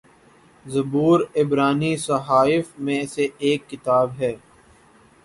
زبور عبرانی صحائف میں سے ایک کتاب ہے